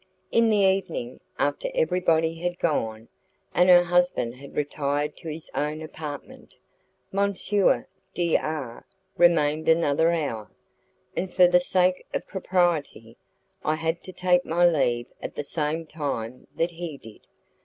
In the evening, after everybody had gone, and her husband had retired to his own apartment, M. D R remained another hour, and for the sake of propriety I had to take my leave at the same time that he did.